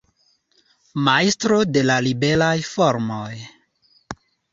Majstro de la liberaj formoj.